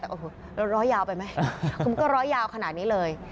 แต่โอ้โหร้อยยาวไปไหมคุณก็ร้อยยาวขนาดนี้เลย